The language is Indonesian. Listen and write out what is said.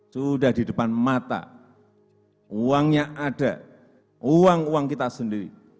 sudah di depan mata uangnya ada uang uang kita sendiri